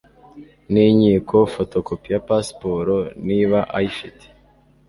n'inkiko, Fotokopi ya pasiporo niba ayifite,